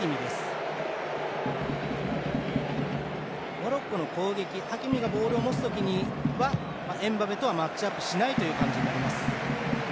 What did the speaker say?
モロッコの攻撃ハキミがボールを持つ時にはエムバペとはマッチアップしないという形になります。